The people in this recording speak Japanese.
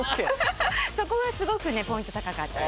そこはすごくねポイント高かったです。